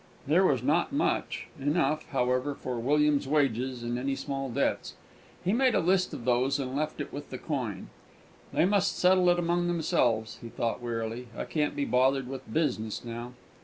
There was not much; enough, however, for William's wages and any small debts. He made a list of these, and left it there with the coin. "They must settle it among themselves," he thought, wearily; "I can't be bothered with business now."